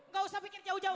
gak usah bikin jauh jauh